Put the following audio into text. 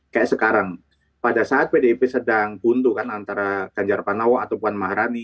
kayak sekarang pada saat pdip sedang buntu kan antara ganjar panawa atau puan maharani